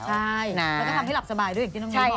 ใช่แล้วก็ทำให้หลับสบายด้วยอย่างที่น้องบอก